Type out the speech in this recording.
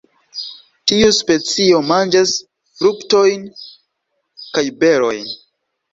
Tiu specio manĝas fruktojn kaj berojn.